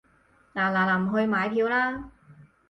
嗱嗱臨去買票啦